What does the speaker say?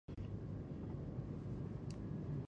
حال دا چې سلطان احمد خان د امیر کاکا زوی نه وو.